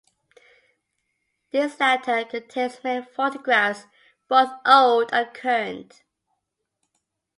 This latter contains many photographs, both old and current.